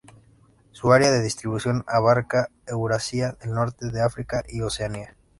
Su área de distribución abarca Eurasia, el norte de África y Oceanía.